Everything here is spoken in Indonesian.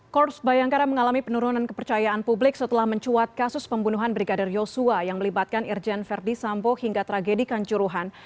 korps bayangkara mengalami penurunan kepercayaan publik setelah mencuat kasus pembunuhan brigadir yosua yang melibatkan irjen verdi sambo hingga tragedi kanjuruhan